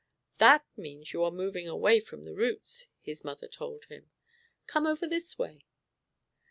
"That means you are moving away from the roots," his mother told him. "Come over this way."